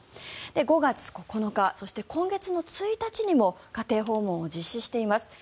５月９日、そして今月１日にも家庭訪問を実施しています。